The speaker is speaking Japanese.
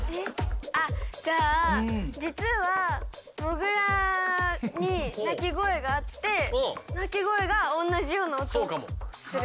あっじゃあ実はもぐらに鳴き声があって鳴き声が同じような音がする。